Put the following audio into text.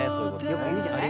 よく言うじゃない？